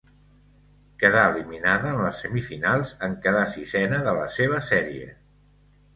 Quedà eliminada en les semifinals en quedar sisena de la seva sèrie.